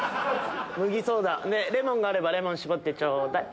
麦ソーダレモンがあればレモン搾ってちょうだい。